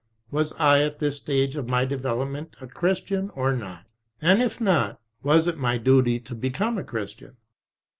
Was I, at this stage of my development, a Christian or not? And if not, was It my duty to become a Christian